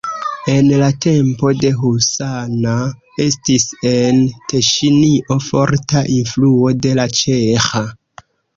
En la tempo de husana estis en Teŝinio forta influo de la ĉeĥa.